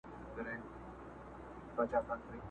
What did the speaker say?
كه لاسونه مي پرې كېږي سترگي نه وي!.